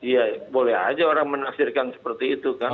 ya boleh aja orang menafsirkan seperti itu kan